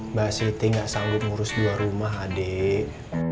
mbak siti nggak sanggup ngurus dua rumah adik